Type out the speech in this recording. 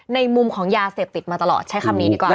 ในมุมของยาเสพติดมาตลอดใช้คำนี้ดีกว่า